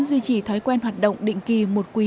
duy trì thói quen hoạt động định kỳ một quý